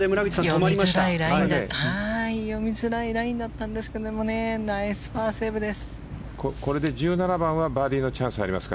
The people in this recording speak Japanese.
読みづらいラインだったんですけどねナイスパーセーブです！